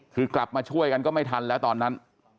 คือกลับมาช่วยกันก็ไม่ทันแล้วตอนนั้น